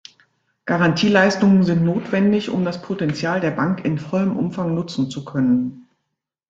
Garantieleistungen sind notwendig, um das Potential der Bank in vollem Umfang nutzen zu können.